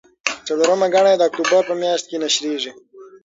څلورمه ګڼه یې د اکتوبر په میاشت کې نشریږي.